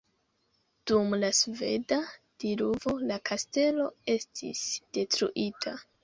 Dum la sveda diluvo la kastelo estis detruita.